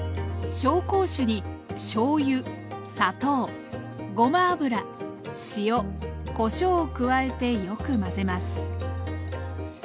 紹興酒にしょうゆ砂糖ごま油塩こしょうを加えてよく混ぜます。